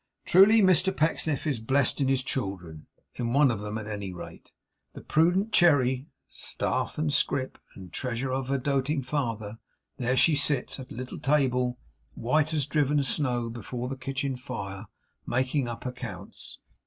Truly Mr Pecksniff is blessed in his children in one of them, at any rate. The prudent Cherry staff and scrip, and treasure of her doting father there she sits, at a little table white as driven snow, before the kitchen fire, making up accounts!